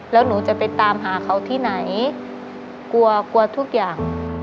แล้วหนูจะไปตามหาเขาที่ไหนกลัวกลัวทุกอย่าง